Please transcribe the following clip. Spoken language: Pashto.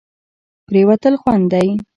پرېوتل خوند دی.